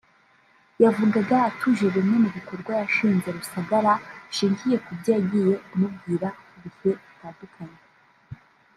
yavugaga atuje bimwe mu bikorwa yashinje Rusagara bishingiye ku byo yagiye amubwira mu bihe bitandukanye